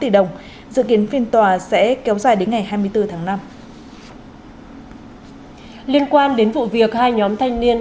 đồng dự kiến phiên tòa sẽ kéo dài đến ngày hai mươi bốn tháng năm liên quan đến vụ việc hai nhóm thanh niên